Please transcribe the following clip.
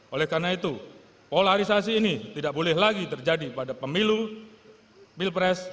oleh karena itu polarisasi ini tidak boleh lagi terjadi pada pemilu pilpres